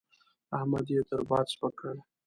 احمد يې تر باد سپک کړ.